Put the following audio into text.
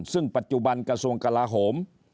ซึ่งปัจจุบันกระทรวงกลาโหม